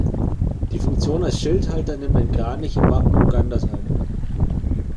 Die Funktion als Schildhalter nimmt ein Kranich im Wappen Ugandas ein.